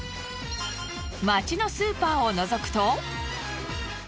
街のスーパーを覗くと。